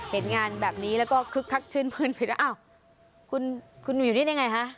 เห็นงานแบบนี้แล้วก็คึกคักชื่นมื้นผิดว่าอ้าวคุณอยู่นี่ได้ไงฮะ